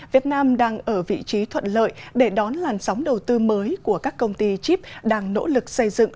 việt nam đang ở vị trí thuận lợi để đón làn sóng đầu tư mới của các công ty chip đang nỗ lực xây dựng